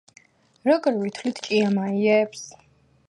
როგორ ვითვლით ჭიამაიებს?